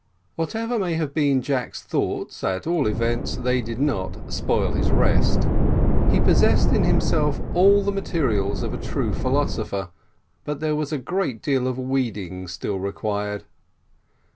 Whatever may have been Jack's thoughts, at all events they did not spoil his rest. He possessed in himself all the materials of a true philosopher, but there was a great deal of weeding still required.